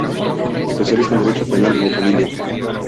Especialista en Derecho Penal y de Familia.